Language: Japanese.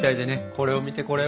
これを見てこれを！